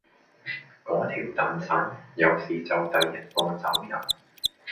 嗰條蛋散，有事就第一個走人